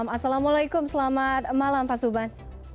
assalamualaikum selamat malam pak suban